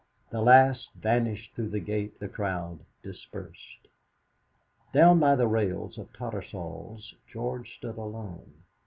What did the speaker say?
The last vanished through the gate, the crowd dispersed. Down by the rails of Tattersall's George stood alone.